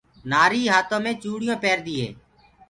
نآريٚ هآتو مي چوڙِيونٚ پيرديٚ هي